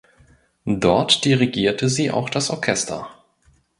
Dort dirigierte sie auch das Orchester.